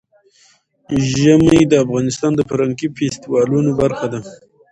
ژمی د افغانستان د فرهنګي فستیوالونو برخه ده.